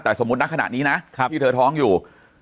แต่สมมุติณขณะนี้นะที่เธอท้องอยู่